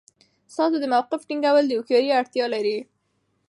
ستاسو د موقف ټینګول د هوښیارۍ اړتیا لري.